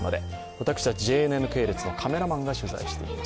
私たちＪＮＮ系列のカメラマンが取材しています。